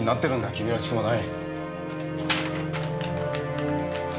君らしくもない。